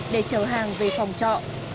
để chờ hàng về phòng trọ